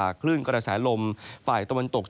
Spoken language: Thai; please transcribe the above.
ในแต่ละพื้นที่เดี๋ยวเราไปดูกันนะครับ